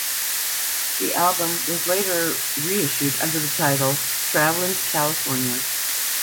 The album was later reissued under the title "Travelin' to California".